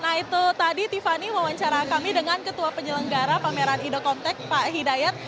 nah itu tadi tiffany wawancara kami dengan ketua penyelenggara pameran indocontech pak hidayat